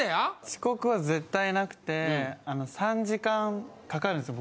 遅刻は絶対なくて３時間かかるんですよ